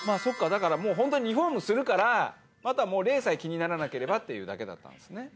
だからほんとにリフォームするからあとはもう霊さえ気にならなければっていうだけだったんですね。